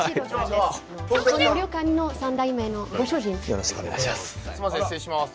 よろしくお願いします。